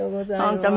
本当